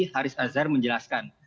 haris azhar menjelaskan